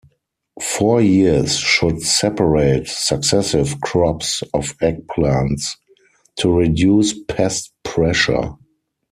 Four years should separate successive crops of eggplants to reduce pest pressure.